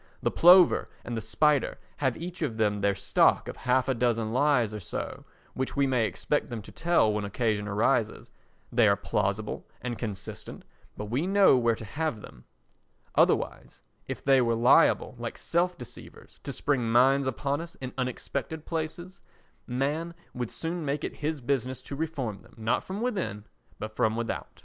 The plover and the spider have each of them their stock of half a dozen lies or so which we may expect them to tell when occasion arises; they are plausible and consistent, but we know where to have them; otherwise, if they were liable, like self deceivers, to spring mines upon us in unexpected places, man would soon make it his business to reform them—not from within, but from without.